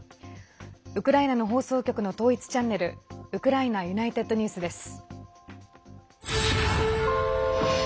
ウクライナの放送局の統一チャンネルウクライナＵｎｉｔｅｄＮｅｗｓです。